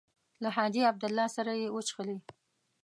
له حاجي عبدالله سره یې وڅښلې.